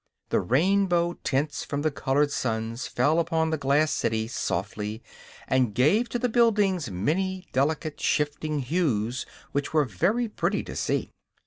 The rainbow tints from the colored suns fell upon the glass city softly and gave to the buildings many delicate, shifting hues which were very pretty to see.